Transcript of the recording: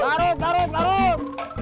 tarut tarut tarut